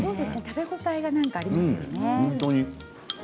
食べ応えがありますよね。